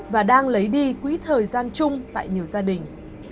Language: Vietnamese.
và đang lấy đi quỹ thời gian chung tại nhiều gia đình